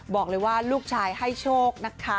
บอกเลยว่าลูกชายให้โชคนะคะ